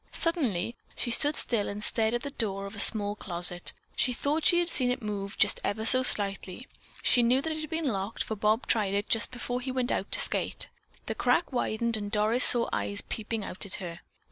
Suddenly she stood still and stared at the door of a small closet. She thought she had seen it move just ever so slightly. She knew that it had been locked, for Bob tried it just before he went out to skate. The crack widened and Doris saw eyes peering out at her.